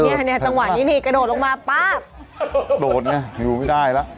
เนี้ยเนี้ยตั้งวันนี้เนี้ยกระโดดลงมาป๊าบโดดไงไม่ได้ล่ะ